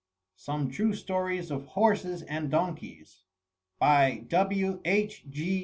SOME TRUE STORIES OP HORSES AND DONKEYS By W. H. G.